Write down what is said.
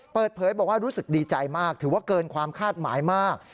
เปิดเผยบอกว่ารู้สึกดีใจมากถือว่าเกินความคาดหมายมาก